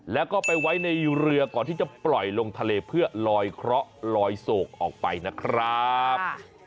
แล้วก็ไปไว้ในเรือก่อนที่จะปล่อยลงทะเลเพื่อลอยเคราะห์ลอยโศกออกไปนะครับ